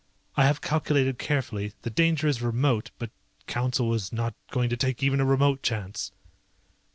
I have calculated carefully, the danger is remote, but Council is not going to take even a remote chance."